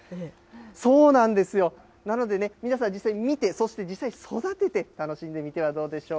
そうなんですよ、なのでね、皆さん、実際に見て、そして実際に育てて楽しんでみてはどうでしょう